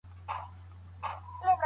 په جنګ کې مشوره کول د هغه عادت و.